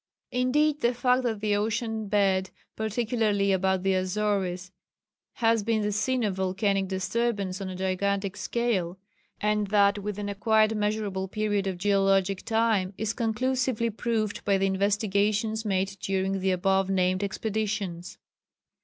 Indeed the fact that the ocean bed, particularly about the Azores, has been the scene of volcanic disturbance on a gigantic scale, and that within a quite measurable period of geologic time, is conclusively proved by the investigations made during the above named expeditions.